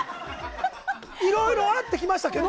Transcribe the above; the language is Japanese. いろいろ会ってきましたけど。